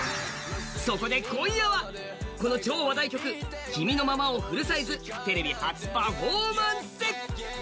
そこで今夜はこの超話題曲「君のまま」をフルサイズテレビ初パフォーマンス！